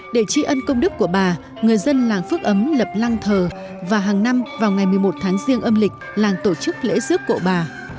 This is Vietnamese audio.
để tri ân công đức của bà người dân làng phước ấm lập lăng thờ và hàng năm vào ngày một mươi một tháng riêng âm lịch làng tổ chức lễ rước cậu bà